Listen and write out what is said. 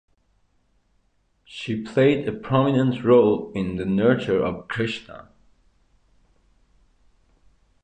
She played a prominent role in the nurture of Krishna.